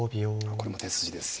これも手筋ですよ。